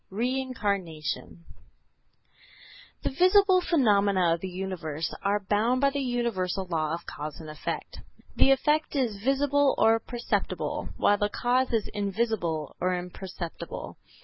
REINCARNATION The visible phenomena of the universe are bound by the universal law of cause and effect. The effect is visible or perceptible, while the cause is invisible or imperceptible.